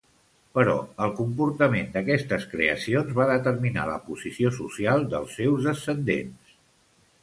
Però el comportament d'aquestes creacions va determinar la posició social dels seus descendents.